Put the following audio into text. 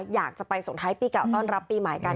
อยากจะไปส่งท้ายปีเก่าต้อนรับปีใหม่กัน